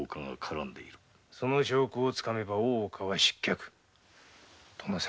その証拠をつかめば大岡は失脚。